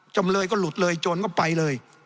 จำเลยก็หลุดเลยโจรก็ไปเลย